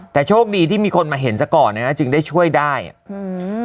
แต่โชคดีที่มีคนมาเห็นซะก่อนนะฮะจึงได้ช่วยได้อ่ะอืม